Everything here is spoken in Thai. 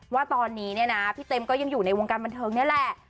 ว่าตอนนี้เนี่ยนะพี่เต็มก็ยังอยู่ในวงการบันเทิงนี่แหละ